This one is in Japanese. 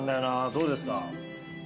どうですか？